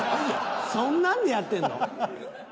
そんなんでやってんの？